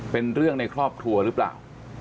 เป็นเรื่องในครอบครัวหรือเปล่า